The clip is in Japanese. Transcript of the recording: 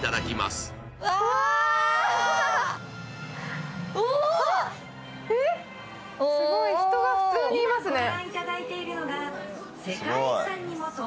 すごい、人が普通にいますね。